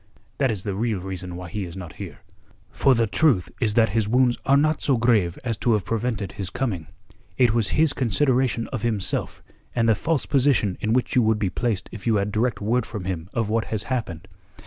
That is the real reason why he is not here. For the truth is that his wounds are not so grave as to have prevented his coming. It was his consideration of himself and the false position in which you would be placed if you had direct word from him of what has happened.